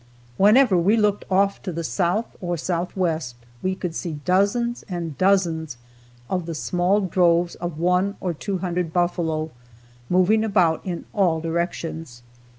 Whenever we looked off to the south or southwest, we would see dozens and dozens of the small droves of one or two hundred buffalo moving about in all directions.